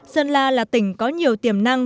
sơn la là tỉnh có nhiều tiềm năng